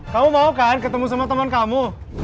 kamu mau kan ketemu sama teman kamu